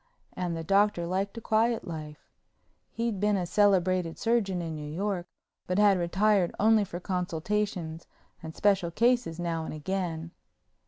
And the Doctor liked a quiet life. He'd been a celebrated surgeon in New York but had retired only for consultations and special cases now and again.